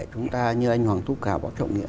chúng ta như anh hoàng thúc hào bác trọng nghĩa